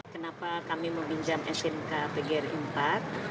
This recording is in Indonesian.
kenapa kami meminjam smpn dua denpasar